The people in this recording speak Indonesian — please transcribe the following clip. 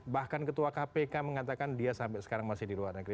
bahkan ketua kpk mengatakan dia sampai sekarang masih di luar negeri